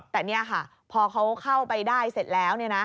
แต่นี่ค่ะพอเขาเข้าไปได้เสร็จแล้ว